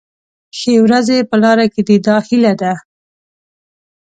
ښې ورځې په لاره کې دي دا هیله ده.